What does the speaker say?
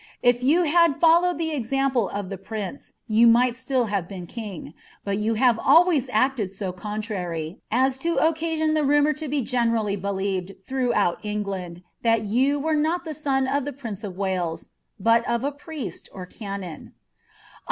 If you had followed the exanifde of the prince, you lai^ still have been king; but you have always acted so contrary, as to oet^ eioa the rumour to be generally believed ihroughout England, ihilfM were nut tlie son of the prince of Wales, but of a priest or eaiHiii.